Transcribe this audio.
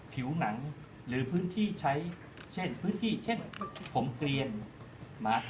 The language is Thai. ผิวหนังหรือใช้เช่นพื้นที่เช่นน่ะนะครับ